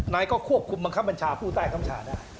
นายก็ควบคุมบังคับบัญชาผู้ใต้คำชาได้